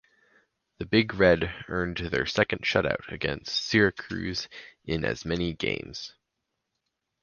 The Big Red earned their second shutout against Syracuse in as many games.